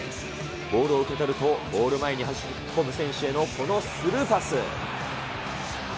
ボールを受け取るとゴール前に走り込む選手へのこのスルーパス。